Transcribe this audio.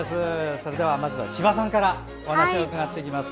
それでは、まずは千葉さんからお話を伺っていきます。